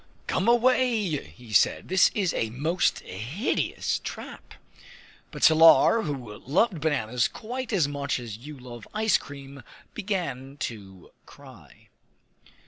"Come away!" he said. "This is a most hideous trap!" But Salar, who loved bananas quite as much as you love ice cream, began to cry.